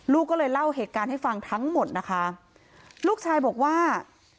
ลูกก็เลยเล่าเหตุการณ์ให้ฟังทั้งหมดนะคะลูกชายบอกว่า